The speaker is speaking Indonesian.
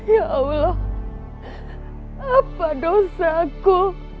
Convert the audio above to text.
ya allah apa dosaku